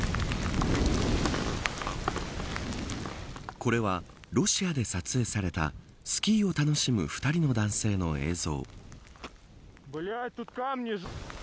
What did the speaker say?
これは、ロシアで撮影されたスキーを楽しむ２人の男性の映像。